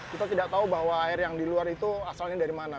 kita tidak tahu bahwa air yang di luar itu asalnya dari mana